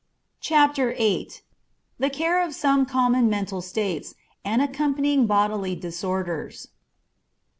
CHAPTER VIII. THE CARE OF SOME COMMON MENTAL STATES, AND ACCOMPANYING BODILY DISORDERS.